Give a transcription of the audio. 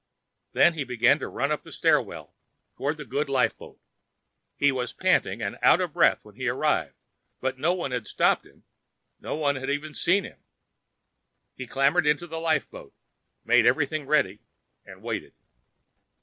Then he began to run up the stairwell toward the good lifeboat. He was panting and out of breath when he arrived, but no one had stopped him. No one had even seen him. He clambered into the lifeboat, made everything ready, and waited.